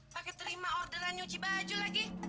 pakai terima orderan nyuci baju lagi